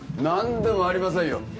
何でもありませんよ